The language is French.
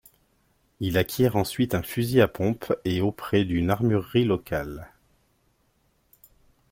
Il acquiert ensuite un fusil à pompe et auprès d'une armurerie locale.